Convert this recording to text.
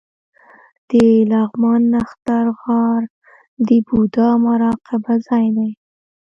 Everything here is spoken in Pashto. د لغمان نښتر غار د بودا مراقبه ځای دی